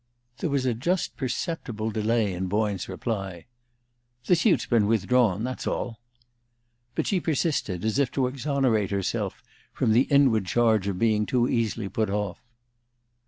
There was a just perceptible delay in Boyne's reply. "The suit's been withdrawn that's all." But she persisted, as if to exonerate herself from the inward charge of being too easily put off.